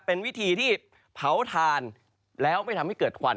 เป็นวิธีที่เผาทานแล้วไม่ทำให้เกิดควัน